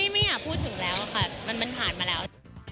ไม่อยากพูดถึงแล้วค่ะมันผ่านมาแล้ว